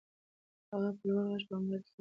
هغه په لوړ غږ په موبایل کې خبرې کولې.